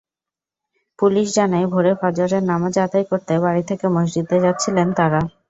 Police জানায়, ভোরে ফজরের নামাজ আদায় করতে বাড়ি থেকে মসজিদে যাচ্ছিলেন তাঁরা।